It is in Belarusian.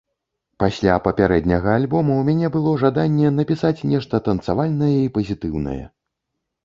Пасля папярэдняга альбома ў мяне было жаданне напісаць нешта танцавальнае і пазітыўнае.